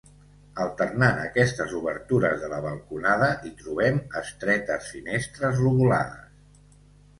Alternant aquestes obertures de la balconada, hi trobem estretes finestres lobulades.